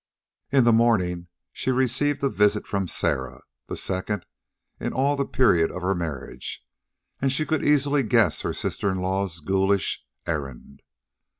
In the morning she received a visit from Sarah the second in all the period of her marriage; and she could easily guess her sister in law's ghoulish errand.